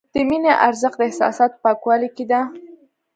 د مینې ارزښت د احساساتو پاکوالي کې دی.